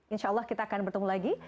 insyaallah kita akan bertemu lagi